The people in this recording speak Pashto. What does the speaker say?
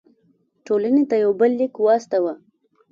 ټولنې ته یو بل لیک واستاوه.